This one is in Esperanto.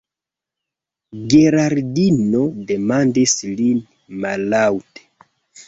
Geraldino demandis lin mallaŭte: